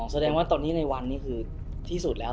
แสดงว่าตอนนี้ในวันนี้คือที่สุดแล้ว